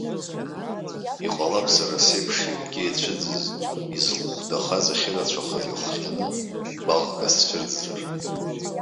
Иҟалап, сара сеиԥш иаргьы иацәыӡыз, изылхәдахаз ахьырацәахаз иахҟьаны, гәаӷк азцәырҵызар.